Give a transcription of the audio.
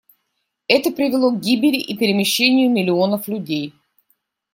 Это привело к гибели и перемещению миллионов людей.